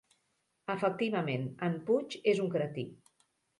Efectivament, en Puig és un cretí.